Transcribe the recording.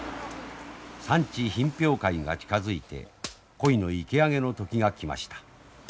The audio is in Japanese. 産地品評会が近づいて鯉の池上げの時が来ました。